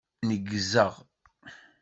Neggzeɣ.